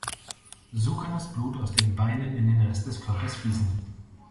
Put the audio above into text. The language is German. So kann das Blut aus den Beinen in den Rest des Körpers fließen.